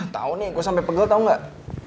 tau nih gue sampe pegel tau gak